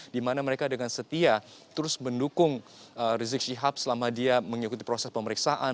di mana mereka dengan setia terus mendukung rizik syihab selama dia mengikuti proses pemeriksaan